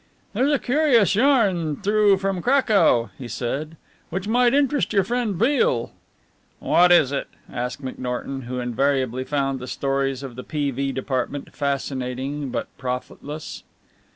"There's a curious yarn through from Cracow," he said, "which might interest your friend Beale." "What is it?" asked McNorton, who invariably found the stories of the P.V. Department fascinating but profitless.